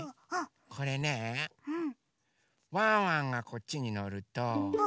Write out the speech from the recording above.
これねワンワンがこっちにのると。